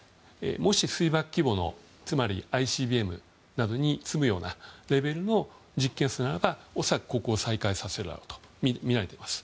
もし水爆規模のつまりＩＣＢＭなどに積むようなレベルの実験ならば恐らく、ここを再開させるとみられています。